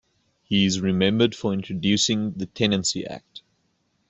He is remembered for introducing the Tenancy Act.